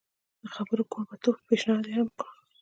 د خبرو کوربه توب پېشنهاد یې هم وکړ.